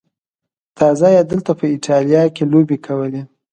تازه یې دلته په ایټالیا کې لوبې کولې.